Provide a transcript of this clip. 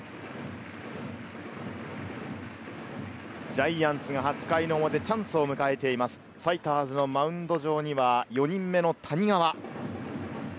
ジャイアンツが８回の表、チャンスを迎えています、ファイターズのマウンド上には４人目の谷川。